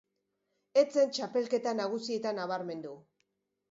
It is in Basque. Ez zen txapelketa nagusietan nabarmendu.